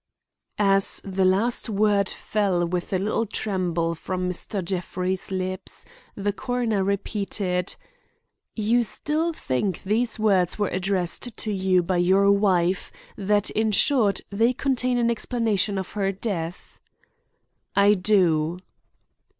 As the last word fell with a little tremble from Mr. Jeffrey's lips, the coroner repeated: "You still think these words were addressed to you by your wife; that in short they contain an explanation of her death?" "I do."